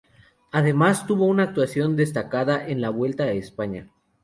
Además, tuvo una actuación destacada en la Vuelta a España.